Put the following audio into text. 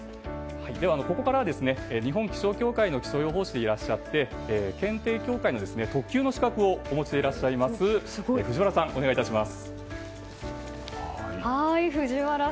ここからは日本気象協会の気象予報士でいらっしゃって検定協会の特級の資格をお持ちでいらっしゃる藤原さん、お願いいたします。